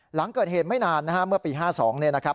หลังเกิดเหตุไม่นานนะฮะเมื่อปี๕๒เนี่ยนะครับ